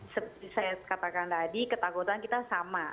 seperti saya katakan tadi ketakutan kita sama